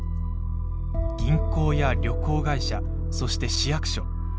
銀行や旅行会社そして市役所。